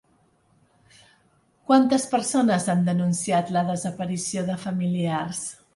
Quantes persones han denunciat la desaparició de familiars?